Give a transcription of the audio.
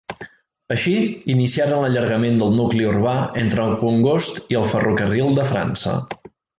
Així, iniciaren l'allargament del nucli urbà entre el Congost i el ferrocarril de França.